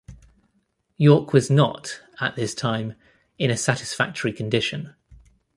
York was not, at this time, in a satisfactory condition.